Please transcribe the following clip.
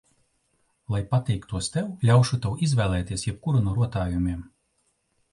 Lai pateiktos tev, ļaušu tev izvēlēties jebkuru no rotājumiem.